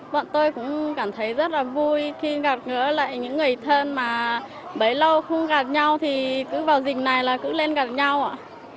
bọn tôi cũng cảm thấy rất là vui khi gặp ngỡ lại những người thân mà bấy lâu không gặp nhau thì cứ vào dịp này là cứ lên gặp nhau ạ